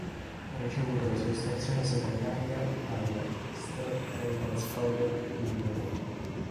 Ha ricevuto la sua istruzione secondaria al St. Colman's College di Newry.